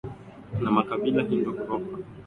na makabila ya Indo Uropa ambao waliunda ufalme